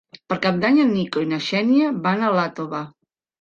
Per Cap d'Any en Nico i na Xènia van a Iàtova.